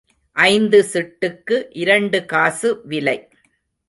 ஐந்து சிட்டுக்கு இரண்டு காசு விலை.